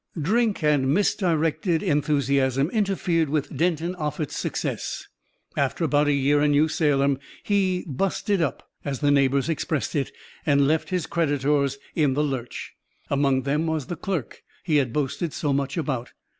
Drink and misdirected enthusiasm interfered with Denton Offutt's success. After about a year in New Salem he "busted up," as the neighbors expressed it, and left his creditors in the lurch. Among them was the clerk he had boasted so much about.